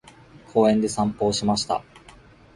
公園で散歩をしました。